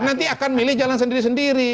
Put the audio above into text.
nanti akan milih jalan sendiri sendiri